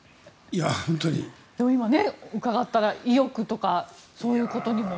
今伺ったら意欲とか、そういうことにも。